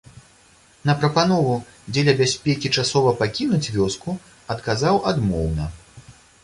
На прапанову дзеля бяспекі часова пакінуць вёску адказаў адмоўна.